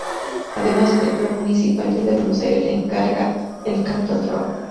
Además, la Municipalidad de Buenos Aires le encarga el Canto al Trabajo.